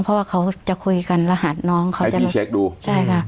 เพราะว่าเขาจะคุยกันรหัสน้องเขายังเช็คดูใช่ค่ะ